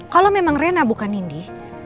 kalau memang rena bukan nindi